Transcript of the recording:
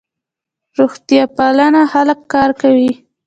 روغتیاپالان هلته کار کوي.